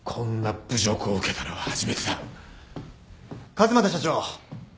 勝又社長。